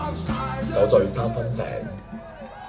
酒醉三分醒